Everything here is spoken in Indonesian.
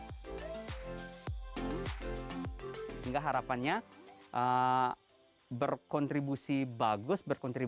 hingga harapannya berkontribusi bagus